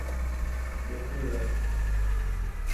ٻيٺي رهه.